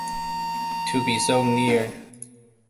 To be so near.